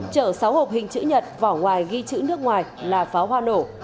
chở sáu hộp hình chữ nhật vỏ ngoài ghi chữ nước ngoài là pháo hoa nổ